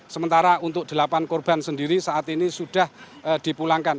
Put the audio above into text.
sementara untuk delapan korban sendiri saat ini sudah dipulangkan